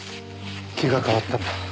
気が変わったんだ。